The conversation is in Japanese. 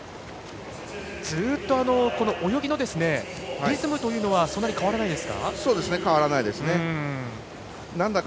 ずっと、泳ぎのリズムというのはそんなに変わらないですか。